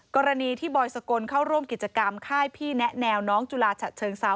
กรณีที่บอยสกลเข้าร่วมกิจกรรมค่ายพี่แนะแนวน้องจุฬาฉะเชิงเซา